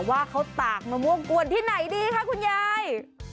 ว่าเขาตากมะม่วงกวนที่ไหนดีคะคุณยาย